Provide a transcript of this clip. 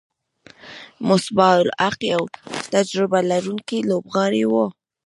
مصباح الحق یو تجربه لرونکی لوبغاړی وو.